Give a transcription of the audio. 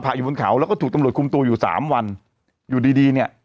อยู่บนเขาแล้วก็ถูกตำรวจคุมตัวอยู่สามวันอยู่ดีดีเนี่ย